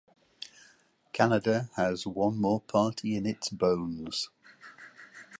Kanada has one more party in its bones.